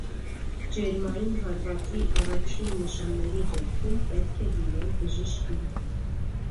Ջերմային հարվածի առաջին նշանների դեպքում պետք է դիմել բժշկի։